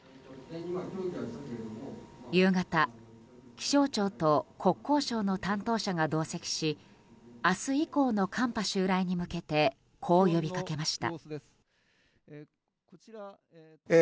夕方気象庁と国交省の担当者が同席し明日以降の寒波襲来に向けてこう呼びかけました。